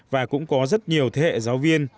và cũng có rất nhiều thế hệ giáo viên